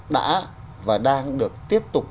đã và đang được tiếp tục